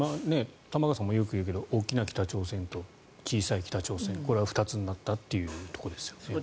玉川さんもよく言うけど大きな北朝鮮と小さな北朝鮮これが２つになったというところですよね。